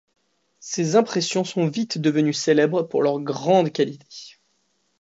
Ses impressions sont vite devenues célèbres pour leur grande qualité.